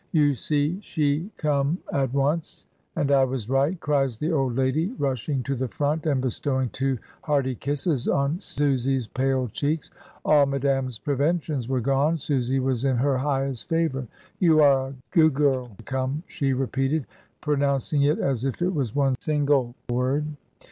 "You see she come at 174 M^' DYMOND. once, and I was right," cries the old lady, rushing to the front, and bestowing two hearty kisses on Susy's pale cheeks. All Madame's preventions were gone, Susy was in her highest favour. "You are a googirl to come," she repeated, pro nouncing it as if it was one single word.